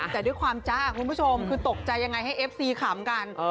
แต่ด้วยความจ้าคุณผู้ชมคือตกใจยังไงให้เอฟซีขำกัน